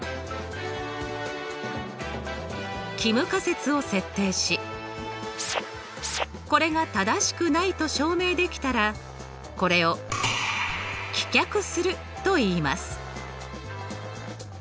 帰無仮説を設定しこれが正しくないと証明できたらこれを棄却するといいます。